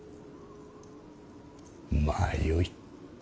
まあよい。